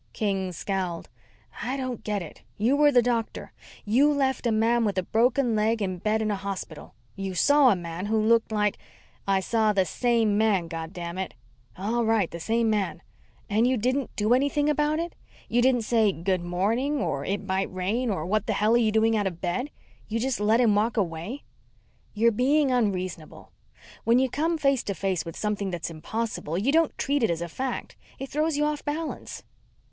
King scowled. "I don't get it. You were the doctor. You left a man with a broken leg in bed in a hospital. You saw a man who looked like " "I saw the same man, goddamn it!" "All right the same man. And you didn't do anything about it? You didn't say Good morning or It might rain or What the hell are you doing out of bed? You just let him walk away?" "You're being unreasonable. When you come face to face with something that's impossible, you don't treat it as a fact. It throws you off balance."